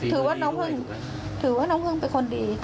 ถือว่าน้องพึ่งถือว่าน้องพึ่งเป็นคนดี